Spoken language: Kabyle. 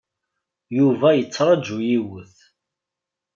Yuba yettṛaju yiwet.